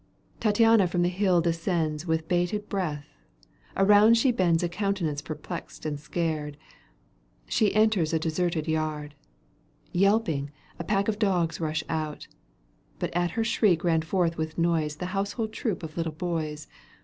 Tattiana from the hill descends With bated breath, around she bends A countenance perplexed and scared. She enters a deserted yard — Yelping, a pack of dogs rush out. But at her shriek ran forth with noise The household troop of little boys.